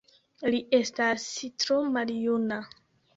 Li estas tro maljuna.